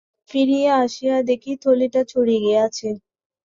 ফিরিয়া আসিয়া দেখি, থলিটা চুরি গিয়াছে।